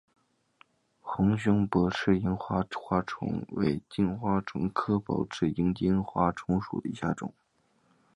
红胸薄翅萤金花虫为金花虫科薄翅萤金花虫属下的一个种。